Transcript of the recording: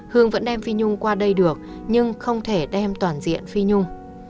hương vẫn đem phí nhung qua đây được nhưng không thể đem toàn diện phí nhung